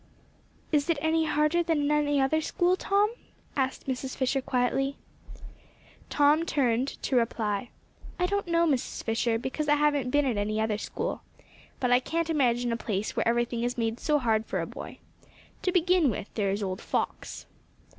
"Is it any harder than in any other school, Tom?" asked Mrs. Fisher quietly. Tom turned, to reply: "I don't know, Mrs. Fisher, because I haven't been at any other school. But I can't imagine a place where everything is made so hard for a boy. To begin with, there is old Fox."